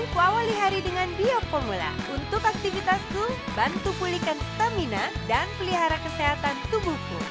bantu pulihkan stamina dan pelihara kesehatan tubuhku